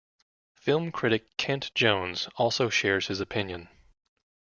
Film critic Kent Jones also shares this opinion.